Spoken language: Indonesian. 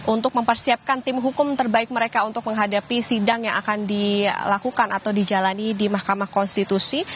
untuk mempersiapkan tim hukum terbaik mereka untuk menghadapi sidang yang akan dilakukan atau dijalani di mahkamah konstitusi